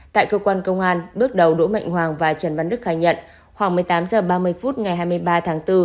tại cơ quan công an bước đầu đỗ mạnh hoàng và trần văn đức khai nhận khoảng một mươi tám h ba mươi phút ngày hai mươi ba tháng bốn